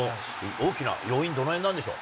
大きな要因、どのへんなんでしょう。